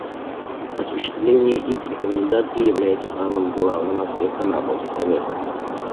Осуществление их рекомендаций является самым главным аспектом работы Совета.